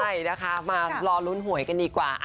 ใช่นะคะมารอลุ้นหวยกันดีกว่า